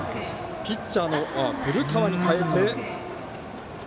ピッチャーの古川に代えて。